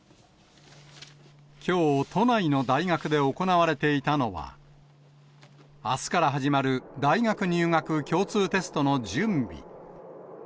きょう、都内の大学で行われていたのは、あすから始まる大学入学共通テストの準備。